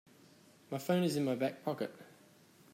My phone is in my back pocket.